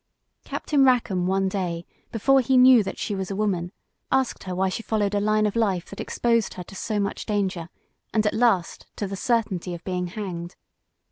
Captain Rackam one day, before he knew that she was a woman, asked her why she followed a line of life that exposed her to so much danger, and at last to the certainty of being hanged.